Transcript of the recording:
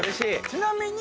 ちなみに。